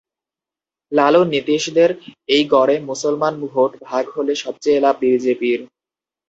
লালু নিতীশদের এই গড়ে মুসলমান ভোট ভাগ হলে সবচেয়ে লাভ বিজেপির।